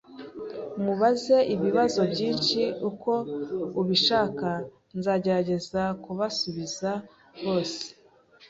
Mubaze ibibazo byinshi uko ubishaka. Nzagerageza kubasubiza bose